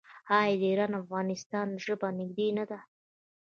آیا د ایران او افغانستان ژبه نږدې نه ده؟